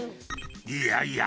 ［いやいや！